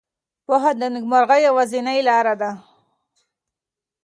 پوهه د نېکمرغۍ یوازینۍ لاره ده.